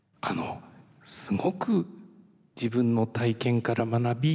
すごく自分の体験から学び